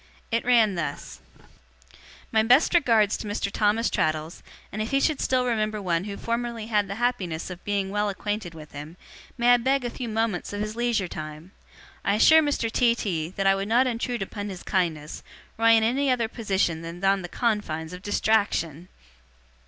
It ran thus: 'My best regards to Mr. Thomas Traddles, and if he should still remember one who formerly had the happiness of being well acquainted with him, may I beg a few moments of his leisure time? I assure Mr. T. T. that I would not intrude upon his kindness, were I in any other position than on the confines of distraction.